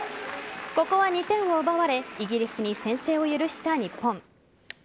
ここは２点を奪われイギリスに先制を許した日本。